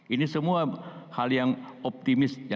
ini semua hal yang optimis yang kita hadapi